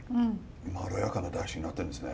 まろやかなだしになってるんですね。